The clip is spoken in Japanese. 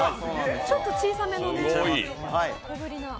ちょっと小さめ、小ぶりな。